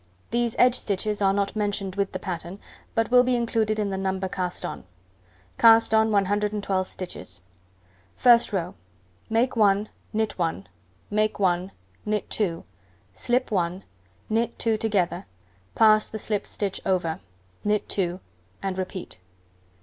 These edge stitches are not mentioned with the pattern, but will be included in the number cast on. Cast on 112 stitches. First row: Make 1, knit 1, make 1, knit 2, slip 1, knit 2 together, pass the slipped stitch over, knit 2, and repeat.